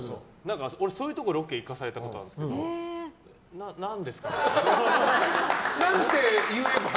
俺、そういうところロケに行かされたことあるんですけど何て言えば。